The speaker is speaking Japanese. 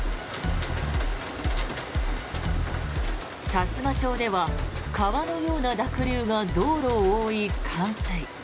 さつま町では川のような濁流が道路を覆い、冠水。